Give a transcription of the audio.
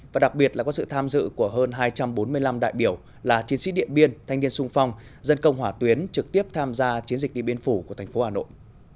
và đặc biệt là có sự tham dự của hơn hai trăm bốn mươi năm đại biểu là chiến sĩ điện biên thanh niên sung phong dân công hỏa tuyến trực tiếp tham gia chiến dịch điện biên phủ của thành phố hà nội